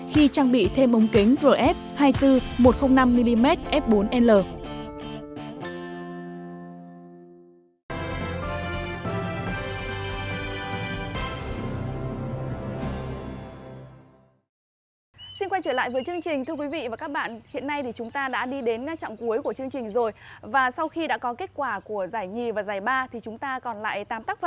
khi trang bị thêm ống kính pro f